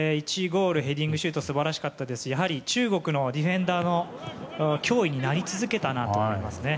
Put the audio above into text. １ゴール、ヘディングシュートは素晴らしかったですしやはり中国のディフェンダーの脅威になり続けたなと思います。